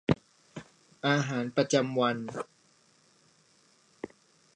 อาหารประจำวัน